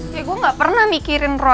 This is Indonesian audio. ya gue gak pernah mikirin roy